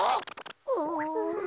うん。